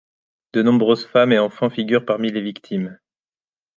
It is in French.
De nombreux femmes et enfants figurent parmi les victimes.